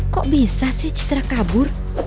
kok bisa sih citra kabur